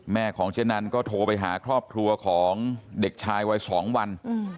ของเจ๊นันก็โทรไปหาครอบครัวของเด็กชายวัย๒วัน